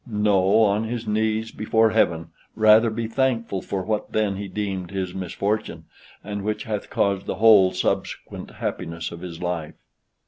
No, on his knees before heaven, rather be thankful for what then he deemed his misfortune, and which hath caused the whole subsequent happiness of his life.